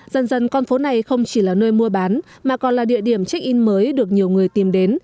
dần dần con phố này không chỉ là nơi mua bán mà còn là địa điểm check in mới được nhiều người tìm đến